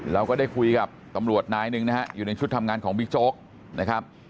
เราก็ได้คุยกับตำรวจนายหนึ่งนะฮะอยู่ในชุดทำงานของบิ๊กโจ๊กนะครับ